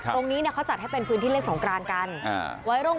ตรงนี้เขาจัดให้เป็นพื้นที่เล่นสงกรานกัน